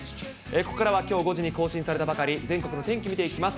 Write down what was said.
ここからは、きょう５時に更新されたばかり、全国の天気見ていきます。